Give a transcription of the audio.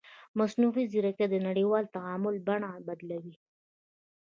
مصنوعي ځیرکتیا د نړیوال تعامل بڼه بدلوي.